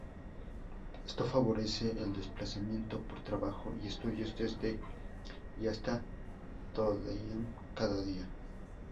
Esto favorece el desplazamiento por trabajo y estudios desde y hasta Trondheim cada día.